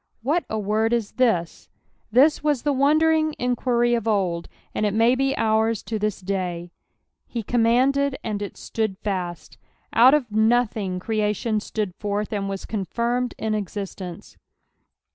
"What a word is this)" This was the wondering enijuiry of old, and it may be ours to this day. " He eammandtd, and it flood fait.'" Out of nothing creation stood forth, and was contlrmcd in existence.